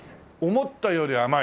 「思ったより甘い」